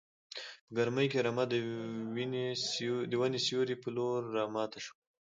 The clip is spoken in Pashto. په ګرمۍ کې رمه د وینې سیوري په لور راماته شوه.